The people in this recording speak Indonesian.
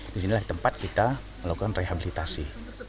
disinilah tempat kita melakukan rehabilitasi